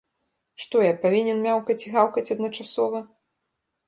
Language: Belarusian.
Што, я павінен мяўкаць і гаўкаць адначасова?!